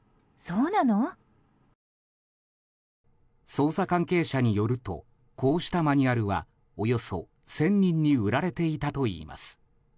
捜査関係者によるとこうしたマニュアルはおよそ１０００人に売られていたといいます。